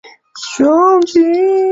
我自己处理好了